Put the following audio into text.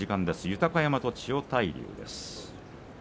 豊山と千代大龍。